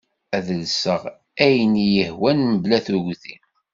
Ad lseɣ ayen iyi-hwan mebla tugdi.